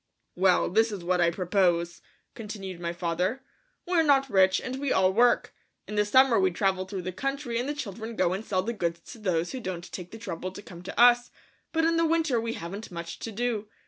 "Well, this is what I propose," continued my father. "We're not rich and we all work. In the summer we travel through the country and the children go and sell the goods to those who won't take the trouble to come to us, but in the winter we haven't much to do.